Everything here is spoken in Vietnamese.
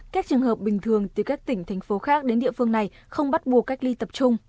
các trường hợp bình thường từ các tỉnh thành phố khác đến địa phương này không bắt buộc cách ly tập trung